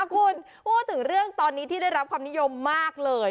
คุณพูดถึงเรื่องตอนนี้ที่ได้รับความนิยมมากเลย